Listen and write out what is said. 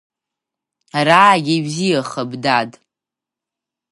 Араагьы ибзиахап, дад…